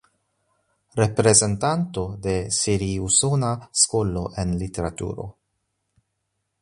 Reprezentanto de siri-usona skolo en literaturo.